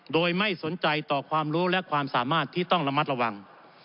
โดยไม่สนใจต่อความรู้และความสามารถที่ต้องระมัดระวัง